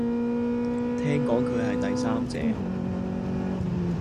聽講佢係第三者